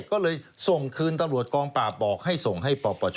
ก็เลยส่งคืนตำรวจกองปราบบอกให้ส่งให้ปปช